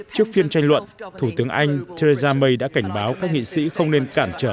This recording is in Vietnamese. trước phiên tranh luận thủ tướng anh theresa may đã cảnh báo các nghị sĩ không nên cản trở